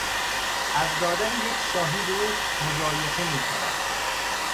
از دادن یک شاهی به او مضایقه میکند.